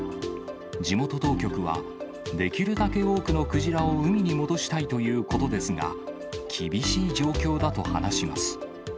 地元当局は、できるだけ多くのクジラを海に戻したいということですが、厳しい状況だと話します。